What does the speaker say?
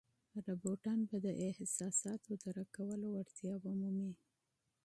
روباټان به د احساساتو درک کولو وړتیا ومومي.